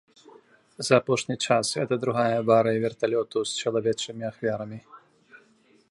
За апошні час гэта другая аварыя верталёту з чалавечымі ахвярамі.